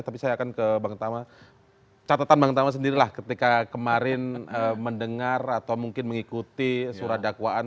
tapi saya akan ke bang tama catatan bang tama sendirilah ketika kemarin mendengar atau mungkin mengikuti surat dakwaan